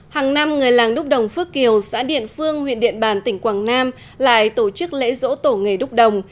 hàng năm người làng đúc đồng phước kiều xã điện phương huyện điện bàn tỉnh quảng nam lại tổ chức lễ dỗ tổ nghề đúc đồng